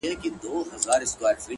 ما درته نه ويل لمنه به دي اور واخلي ته’